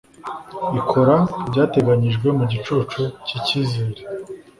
ikora ibyateganijwe mugicucu cyicyizere